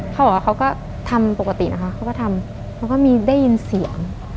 เขาก็ทำปกตินะคะเขาก็ทำเขาก็มีได้ยินเสียง